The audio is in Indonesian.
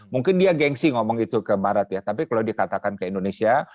mungkin dia gengsi ngomong itu ke barat ya tapi kalau dikatakan ke indonesia